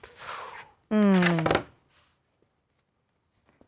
อืม